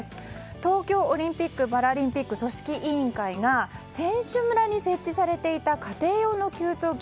東京オリンピック・パラリンピック組織委員会が選手村に設置されていた家庭用の給湯器